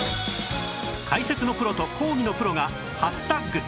解説のプロと講義のプロが初タッグ！